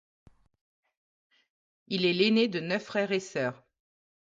Il est l'aîné de neuf frères et sœurs.